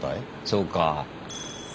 そうか。